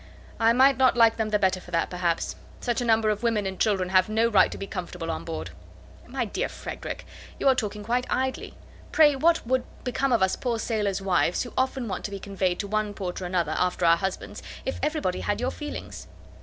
"I might not like them the better for that perhaps. Such a number of women and children have no right to be comfortable on board." "My dear Frederick, you are talking quite idly. Pray, what would become of us poor sailors' wives, who often want to be conveyed to one port or another, after our husbands, if everybody had your feelings?"